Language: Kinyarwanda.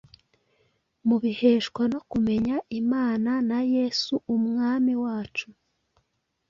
mubiheshwa no kumenya Imana na Yesu Umwami wacu